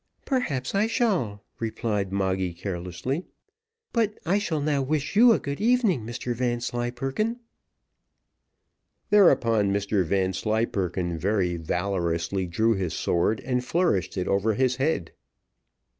"Perhaps I shall," replied Moggy, carelessly. "But I shall now wish you a good evening, Mr Vanslyperken." Thereupon Mr Vanslyperken very valorously drew his sword, and flourished it over his head.